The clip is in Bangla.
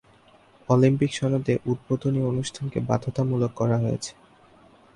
অলিম্পিক সনদে উদ্বোধনী অনুষ্ঠানকে বাধ্যতামূলক করা হয়েছে।